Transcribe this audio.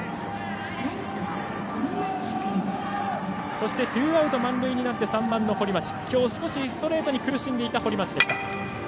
そしてツーアウト満塁で３番の堀町、きょう少しストレートに苦しんでいた堀町でした。